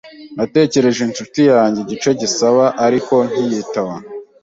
Nategereje inshuti yanjye igice cyisaha, ariko ntiyitaba.